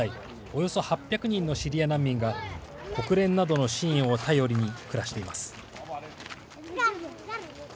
およそ８００人のシリア難民が国連などの支援を頼りに暮らしています。